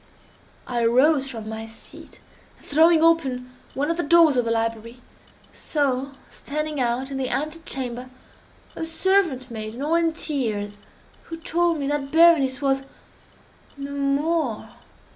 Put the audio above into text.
I arose from my seat, and throwing open one of the doors of the library, saw standing out in the ante chamber a servant maiden, all in tears, who told me that Berenice was—no more!